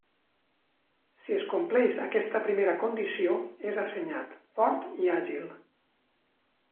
Si es compleix aquesta primera condició, és assenyat, fort i àgil.